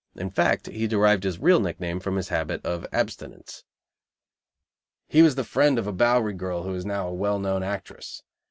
In fact, he derived his real nickname from his habit of abstinence. He was the friend of a Bowery girl who is now a well known actress.